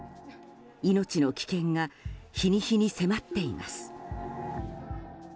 命の危険が日に日に迫っています。